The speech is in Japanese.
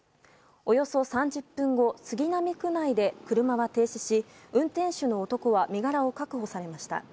およそ３０分後杉並区内で車は停止し運転手の男は身柄を確保されました。